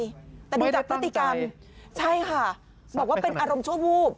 ไม่ได้ตั้งใจแต่ดูจากพฤติกรรมใช่ค่ะบอกว่าเป็นอารมณ์ชั่ววูบ